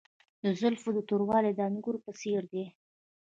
د زلفو توروالی د انګورو په څیر دی.